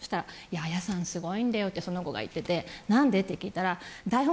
「彩さんすごいんだよ」ってその子が言ってて何でって聞いたら台本